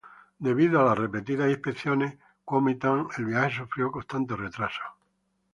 Debido a las repetidas inspecciones Kuomintang, el viaje sufrió constantes retrasos.